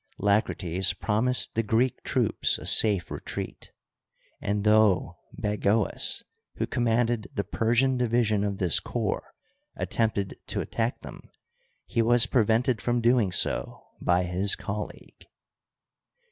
La crates promised the Greek troops a safe retreat; and though Bagoas, who commanded the Persian division of this corps, attempted to attack them, he was prevented from doing so by his colleague.